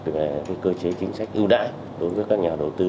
về cơ chế chính sách ưu đãi đối với các nhà đầu tư